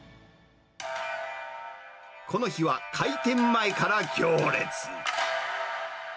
この日は開店前から行列。